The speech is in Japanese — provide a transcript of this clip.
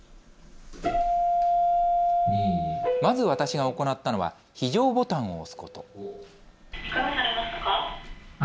まず私が行ったのは非常ボタンを押すこと。